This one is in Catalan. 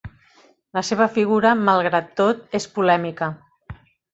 La seva figura, malgrat tot, és polèmica.